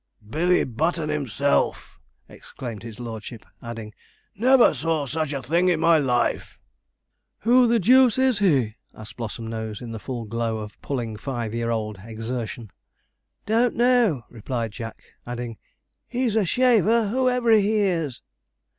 'Billy Button, himself!' exclaimed his lordship, adding, 'never saw such a thing in my life!' 'Who the deuce is he?' asked Blossomnose, in the full glow of pulling five year old exertion. 'Don't know,' replied Jack, adding, 'he's a shaver, whoever he is.'